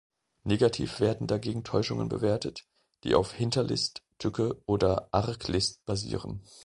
Negativ werden dagegen Täuschungen bewertet, die auf Hinterlist, Tücke oder Arglist basieren.